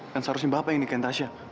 kan seharusnya bapak yang nikahin tasha